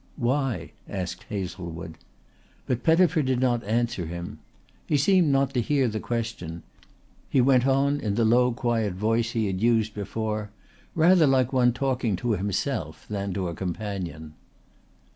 "Why?" asked Hazlewood. But Pettifer did not answer him. He seemed not to hear the question. He went on in the low quiet voice he had used before, rather like one talking to himself than to a companion.